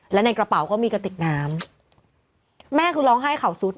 และในกระเป๋าก็มีกระติกน้ำแม่คือร้องไห้เข่าสุด